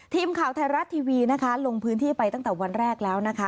ทีมข่าวไทยรัฐทีวีนะคะลงพื้นที่ไปตั้งแต่วันแรกแล้วนะคะ